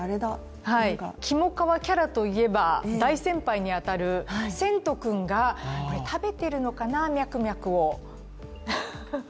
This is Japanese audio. きもかわキャラといえば、大先輩に当たるせんとくんが食べているのかな、ミャクミャクを。